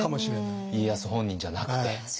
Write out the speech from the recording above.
家康本人じゃなくて。